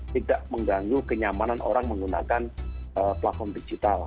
tidak mengganggu kenyamanan orang menggunakan platform digital